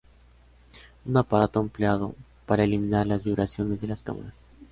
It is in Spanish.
Un aparato empleado para eliminar las vibraciones de las cámaras.